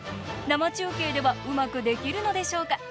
生中継では上手くできるのでしょうか。